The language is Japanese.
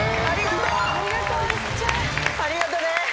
ありがとね。